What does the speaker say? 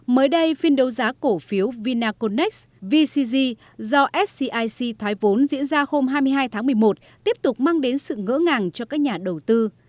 mới đây phiên đấu giá cổ phiếu vinaconex vcg do scic thoái vốn diễn ra hôm hai mươi hai tháng một mươi một tiếp tục mang đến sự ngỡ ngàng cho các nhà đầu tư